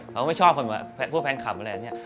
เขาก็ไม่ชอบพวกแฟนคลับอะไรอย่างนี้